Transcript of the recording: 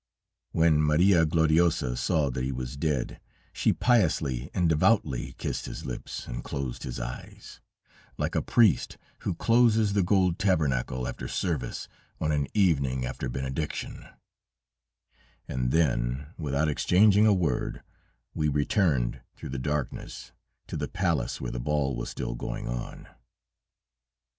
"When Maria Gloriosa saw that he was dead, she piously and devoutly kissed his lips and closed his eyes, like a priest who closes the gold tabernacle after service, on an evening after benediction, and then, without exchanging a word, we returned through the darkness to the palace where the ball was still going on."